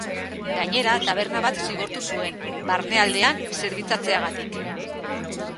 Gainera, taberna bat zigortu zuen, barnealdean zerbitzatzeagatik.